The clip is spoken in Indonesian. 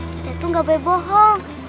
kita itu nggak boleh bohong